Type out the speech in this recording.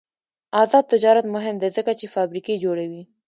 آزاد تجارت مهم دی ځکه چې فابریکې جوړوي.